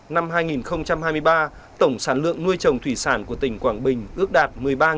năm hai nghìn hai mươi ba tổng sản lượng nuôi trồng thủy sản của tỉnh quảng bình ước đạt